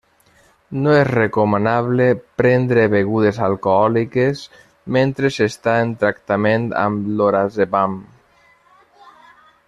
No és recomanable prendre begudes alcohòliques mentre s'està en tractament amb Lorazepam.